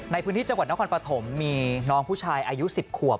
ในพื้นที่จังหวัดนครปฐมมีน้องผู้ชายอายุ๑๐ขวบ